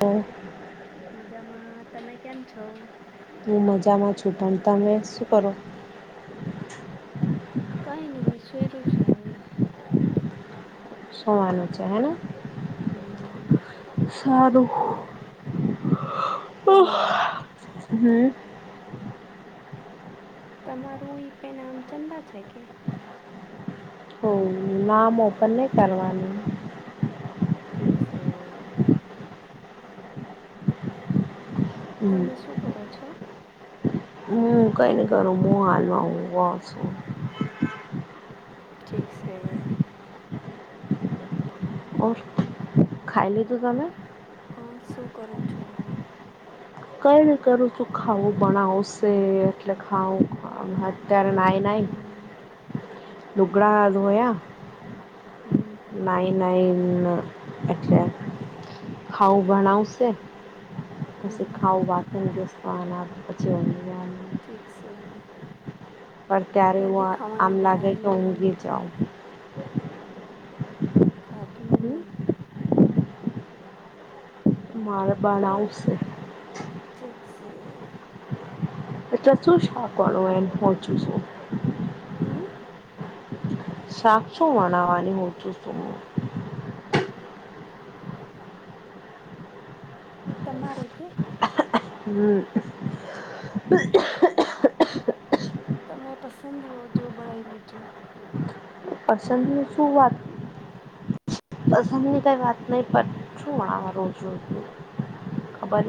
તો મજામાં તમે કેમ છો. હું મજામાં છૂ તમ તમે શું કરો. કઈ નહી સુયરો છું. સુવાનું છે હેને. હમ સારું તમામ હલો હમ તમારું ઈ પે નામ ચંદા છે કે હ નામ ઓપન નહી કરવાનું ઠીક છે હમ તમે શું કરો છો હું કઈ ન કરું હું હાલમાં હુ ગ છું. ઠીક છે ઓ ખાઈ લીધું તમે? હ શું કરો છો? કઈ રીતે કરું છું ખાવું બણાવશે એટલે ખાવું નાઇન આઈ હમ લુગડા ધોયા. હમ નાઇન નાઇન અચ્છા. ખાવું ભણાવશે પછી હમ ખાવું બાકી ન દસતો આ પછી ઊંઘવાનું ઠીક સે પણ ત્યારે હું આમ લાગે કે ઊંઘી બનાયું જાઉં ખાધું હમ ઓ માળબણઉશે. ઠીક છે એટ તોું શ [unintelligible] કરો એમ હું હમ સાક સુ બનાવાની હુ તમારેકે હમ્મ. તમે પસંદ હોવ જો બનાઈ લેજો. પસંદની શું વાત પસંદની કંઈ વાત નહીં પણ શું આ રોજ-રોજનું.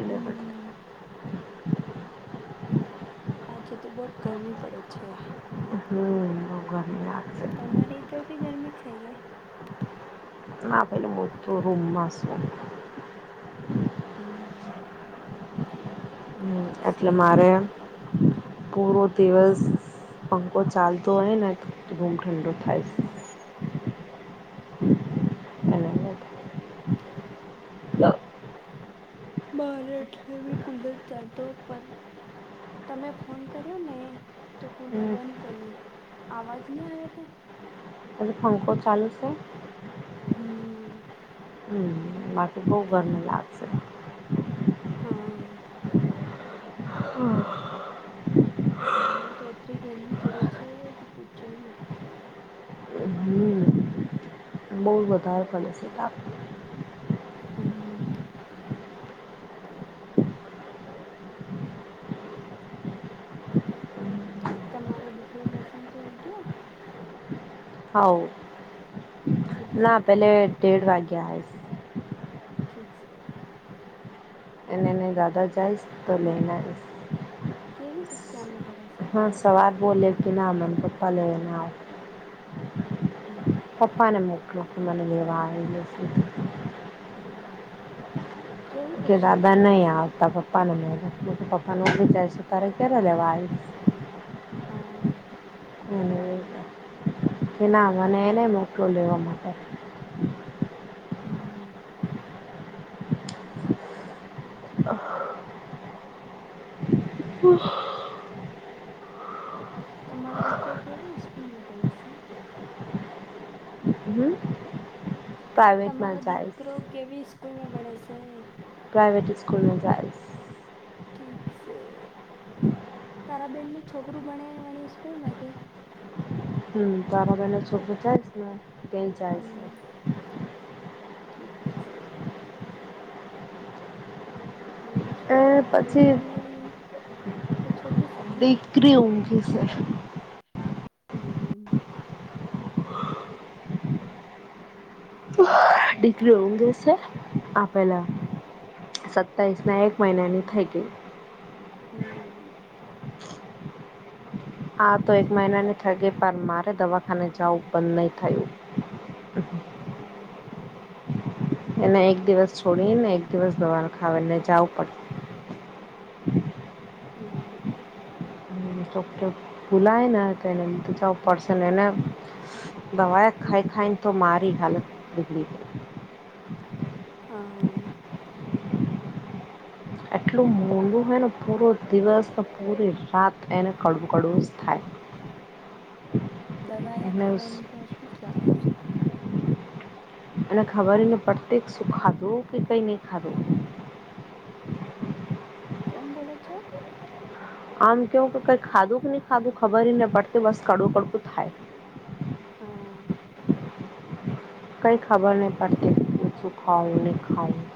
હમ. [unintelligible] આજે તો બહોત ગરમી પડે છે. હમ્મ. [unintelligible] તમારી ત્યાં ભી ગરમી છે [unintelligible] ના પહેલું હું તો રૂમ માં સૂવું. હમ્મ. હમ્મ, એટલે મારે પૂરો દિવસ પંખો ચાલતો હોય ને તો [unintelligible] ઠંડો થાય સે. હમ [unintelligible] મારે એટલે બી કુલર ચાલતો પર. તમે ફોન કર્યો ને તો કુલર બંધ કર્યું. અવાજ નહીં આવે તે? પહેલો પંખો ચાલુ સે. હમ હમ્મ. બાકી બહુ ગરમી લાગશે. હમ્મ. હા. બાર તો એતરી ગરમી પડે છે કી પૂછો હી મત. હમ બહુ વધારે પડે સે કાં. હમ્મ. તમારો દીકરો લેસન તોઈ ગયો? હોવ. ઠીક છે ના પેલે દેઢ વાગે આવે સ. ઠીક સે. એને-એને દાદા જાઈશ તો લેઈ ને આયેશ. કેવી કક્ષામાં ભણ હા સવાર બોવ લેટ ના હાલે એન પપ્પા લઈને આવે. હમ પપ્પાને મોકલો, મને લેવા આવે [unintelligible] હમ કેવી કે દાદા કક્ષામાં ભણે નહીં છે? આવતા, પપ્પાને મોકલો. [unintelligible] પપ્પા [unintelligible] તારે ક્યારે લેવા આવીશ. હા. [unintelligible] કે ના મને એને મોકલો લેવા માટે. હમ્મ-હમ્મ. [inaudible] તમારો દીકરો કેવી સ્કૂલમાં ભણે સે? હમ પ્રાઇવેટમાં તમારો જઈશ દીકરો કેવી સ્કૂલમાં ભણે સે? પ્રાઈવેટ સ્કૂલમાં જાય સ. ઠીક સે. તારા બહેનનું છોકરું ભણે ઈ વાળી સ્કૂલ મે કે? હમ્મ. તારો બહેન નો છોકરો જાઈશ ને તે જાય સે. હમ ઠીક સે. ઓજ. એ તમારી પછી દીકરી તો છ દીકરી ઊંઘે સે. હમ્મ. દીકરી ઊંઘે સે. આ પહેલા સતાઈસના એક મહિનાની થઈ ગઈ. હમ્મ. હા તો એક ઠીક મહિનાની થઈ ગઈ પન મારે દવાખાને જાવું બંધ નહીં થયું. હમ્મ. એને એક દિવસ છોડીને એક દિવસ દવાખાને જાવું પડતું. હમ્મ. [unintelligible] ભૂલાય ને તો એને કીધું જવું પડશે. અને એને દવાયા હમ ખાઈ-ખાઈને તો મારી હાલત બિગડી ગઈ. હા. એટલું મોંઘું હોય ને પૂરો દિવસ, ને પૂરી રાત એને કડવું-કડવું જ થાય. [inaudible] દવાયા એટલે ખાવાને [unintelligible] લાગી છ. અને ખબર નહીં પ્રત્યેક શું ખાધું કે કઈ નહીં ખાધું. કેમ બોલો છો? આમ કેવું કે કંઈ ખાધું કે નહી ખાધું ખબર હી ન પડતી, બસ કડવું-કડવું થાય. હા કંઈ ખબર નહીં, હું શું ખાવું, નહીં ખાવું.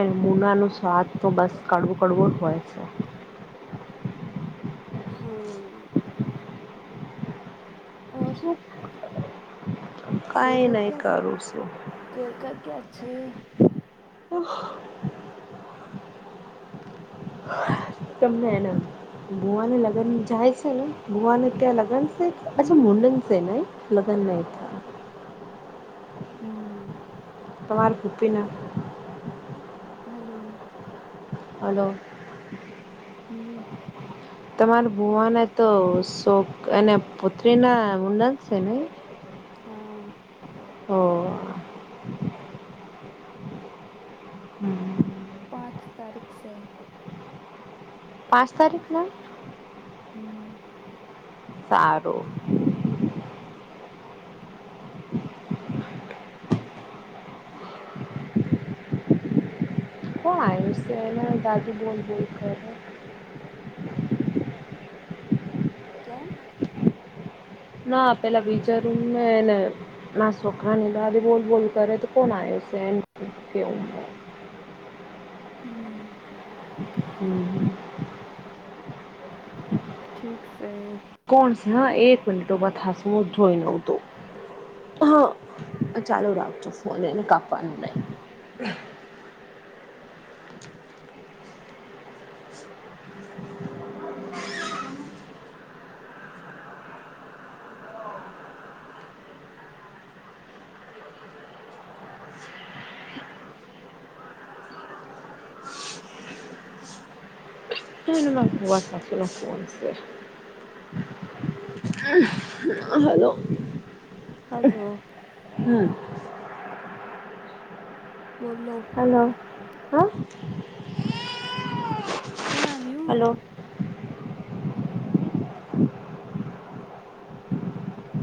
એમ મૂનાનું સ્વાદ તો બસ કડવું કડવો જ હોય છે. હમ્મ. ઔર! કાંઈ નહી કરું સું. ઘર ક ક્યા છે. હ. [unintelligible] તમને એને ભુવાને લગ્ન જાય છે ને ભુવાને ત્યાં લગ્ન હમ અચ્છા મુડન છે ન લગન ન થ હમ. તમામર ભૂપિના. હલો. હલો. હમ. તમારા ભુવાને તો શોક અને પુત્રી ના મુંડન છે નઈ. હા હ. હમ પાંચ તારીખ સે. પાંચ તારીખના? હમ. સારું. કોણ આયુષ્યના દાદી બોલ બોલ કર. કેમ? ના પેલા વિચારું મેને ના સોકરાની બા બોલ બોલ કરે તો કોણ આયુ. સેડ [unintelligible] હમ. હમ હમ. ઠીક સે. કોણ સ હા એક મિનિટો બ હાસ વું જોઈ નવતું [unintelligible] હા ચાલુ રાખજો ફોન એને કાપવાનું નહી. વા સાસુનો ફોન સે. હલો. હલો હમ્મ. બોલો. હલો હા કોણ આવ હલો.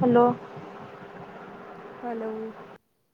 હાલો. હાલો.